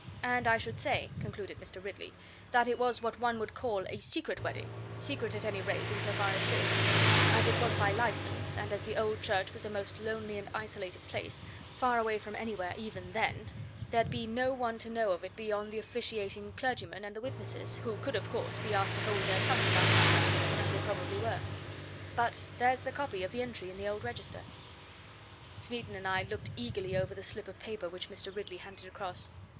And I should say," concluded Mr. Ridley, "that it was what one would call a secret wedding secret, at any rate, in so far as this: as it was by licence, and as the old church was a most lonely and isolated place, far away from anywhere, even then there'd be no one to know of it beyond the officiating clergyman and the witnesses, who could, of course, be asked to hold their tongues about the matter, as they probably were. But there's the copy of the entry in the old register." Smeaton and I looked eagerly over the slip of paper which Mr. Ridley handed across.